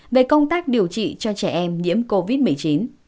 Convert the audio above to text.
về công tác điều trị cho trẻ em nhiễm covid một mươi chín